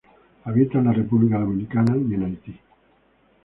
Habita en República Dominicana y en Haití.